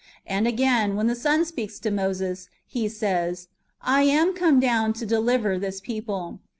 And again, when the Son speaks to Moses, He says, " I am come down to deliver this people."